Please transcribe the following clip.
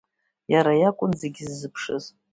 Иара иакәын зегь ззыԥшыз.